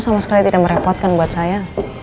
sama sekali tidak merepotkan buat saya